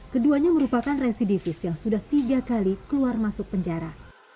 keduanya merupakan residivis yang sudah tiga kali keluar masuk penjara